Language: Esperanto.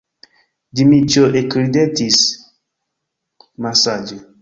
Dmiĉjo ekridetis malsaĝe.